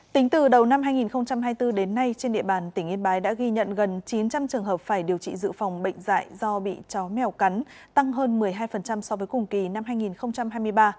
tính từ đầu năm hai nghìn hai mươi bốn đến nay trên địa bàn tỉnh yên bái đã ghi nhận gần chín trăm linh trường hợp phải điều trị dự phòng bệnh dạy do bị chó mèo cắn tăng hơn một mươi hai so với cùng kỳ năm hai nghìn hai mươi ba